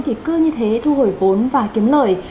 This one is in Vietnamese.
thì cứ như thế thu hồi vốn và kiếm lời